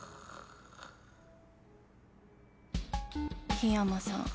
檜山さん